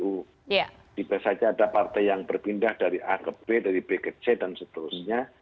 tiba tiba saja ada partai yang berpindah dari a ke b dari b ke c dan seterusnya